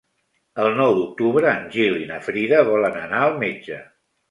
El nou d'octubre en Gil i na Frida volen anar al metge.